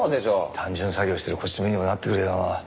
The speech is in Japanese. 単純作業してるこっちの身にもなってくれよ。